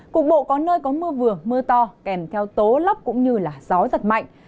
cục bộ có nơi có mưa vừa mưa to kèm theo tố lốc cũng như gió giật mạnh